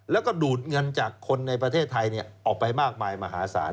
แล้วก็ดูดเงินจากคนในประเทศไทยออกไปมากมายมหาศาล